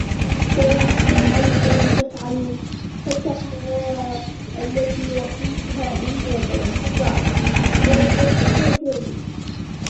فَإِنْ لَمْ تَفْعَلُوا وَلَنْ تَفْعَلُوا فَاتَّقُوا النَّارَ الَّتِي وَقُودُهَا النَّاسُ وَالْحِجَارَةُ ۖ أُعِدَّتْ لِلْكَافِرِينَ